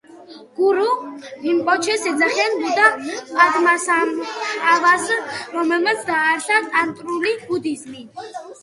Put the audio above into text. გურუ რინპოჩეს ეძახიან ბუდა პადმასამბჰავას, რომელმაც დააარსა ტანტრული ბუდიზმი.